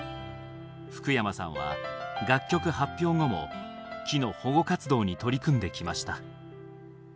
福山さんは楽曲発表後も木の保護活動に取り組んできました。